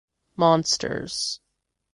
Monsters.